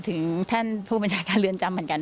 ถึงท่านผู้บัญชาการเรือนจำเหมือนกัน